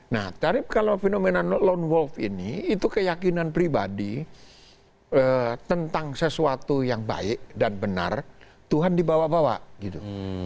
nah tarif kalau fenomena lone wolf ini itu keyakinan pribadi tentang sesuatu yang baik dan benar tuhan dibawa bawa gitu